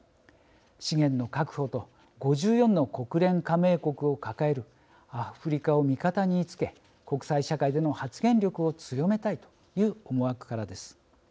資源の確保と５４の国連加盟国を抱えるアフリカを味方につけ国際社会での発言力を強めたいという思惑からです。